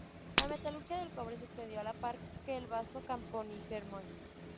La metalurgia del cobre se extendió a la par que el vaso campaniforme.